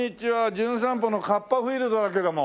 『じゅん散歩』のカッパーフィールドだけども。